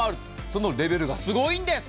そのレベルがすごいんです。